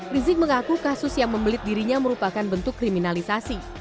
rizik mengaku kasus yang membelit dirinya merupakan bentuk kriminalisasi